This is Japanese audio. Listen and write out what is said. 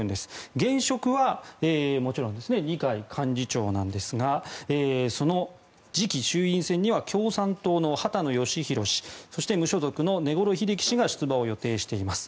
現職はもちろん二階幹事長なんですがその次期衆院選には共産党の畑野良弘氏そして、無所属の根来英樹氏が出馬を予定しています。